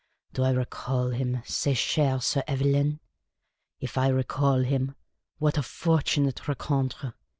Do I recall him, cc chcr^xx Evelyn ? If I recall him ! What a fortunate rencounter !